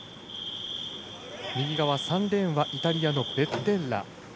３レーンはイタリアのベッテッラ。